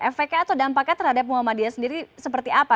efeknya atau dampaknya terhadap muhammadiyah sendiri seperti apa